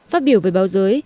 phát biểu về báo giới